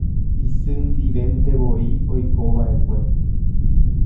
Isy ndiventevoi oikova'ekue.